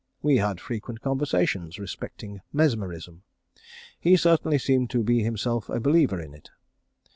We had frequent conversations respecting mesmerism. He certainly seemed to be himself a believer in it.